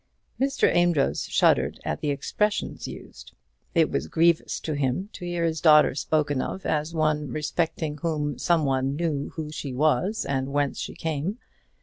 Mr. Amedroz shuddered at the expressions used. It was grievous to him to hear his daughter spoken of as one respecting whom some one knew who she was and whence she came.